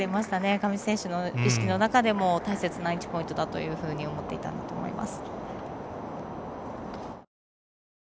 上地選手の意識の中でも大切な１ポイントだというふうに思っていたんだと思います。